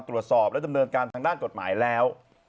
ตรวจสอบและดำเนินการทางด้านกฎหมายแล้ว